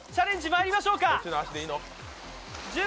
まいりましょうか。